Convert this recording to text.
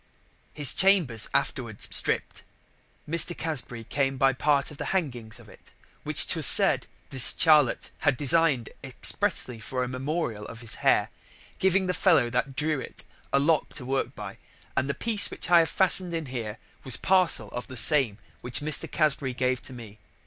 "His chambers being afterwards stripp'd, Mr. Casbury came by part of the hangings of it, which 'twas said this Charlett had design'd expressly for a memoriall of his Hair, giving the Fellow that drew it a lock to work by, and the piece which I have fasten'd in here was parcel of the same, which Mr. Casbury gave to me.